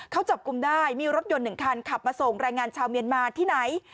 เขาจับกลุ่มได้มีรถยนต์๑คันขับมาส่งแรงงานชาวเมียนมาที่ไหน